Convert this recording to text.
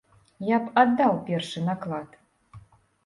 Я б аддаў першы наклад.